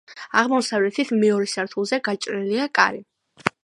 აღმოსავლეთით, მეორე სართულზე გაჭრილია კარი.